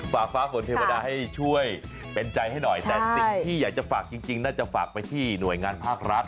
ฟ้าฝนเทวดาให้ช่วยเป็นใจให้หน่อยแต่สิ่งที่อยากจะฝากจริงน่าจะฝากไปที่หน่วยงานภาครัฐ